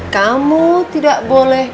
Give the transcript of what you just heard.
kamu tidak boleh